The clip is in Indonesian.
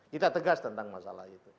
kita tegas tentang masalah itu